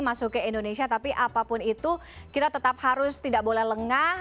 masuk ke indonesia tapi apapun itu kita tetap harus tidak boleh lengah